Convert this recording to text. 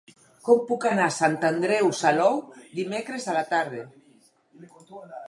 Com puc anar a Sant Andreu Salou dimecres a la tarda?